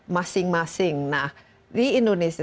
masing masing nah di indonesia